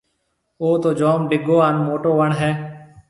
او تو جوم ڊگھو هانَ موٽو وڻ هيَ۔